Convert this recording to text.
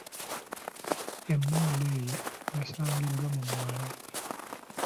Emmundu eyo yasangiddwa mu mwala.